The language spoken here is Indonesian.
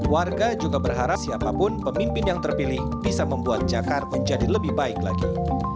warga juga berharap siapapun pemimpin yang terpilih bisa membuat jakarta menjadi lebih baik lagi